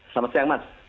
selamat siang mas